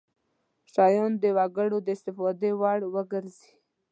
شیان د وګړو د استفادې وړ وګرځي.